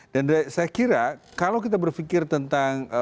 dan saya kira kalau kita berpikir tentang